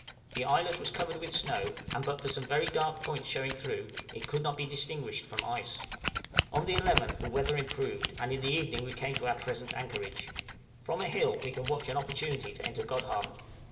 The islet was covered with snow, and but for some very few dark points showing through, it could not be distinguished from ice. On the 11th the weather improved, and in the evening we came to our present anchorage. From a hill we can watch an opportunity to enter Godhavn.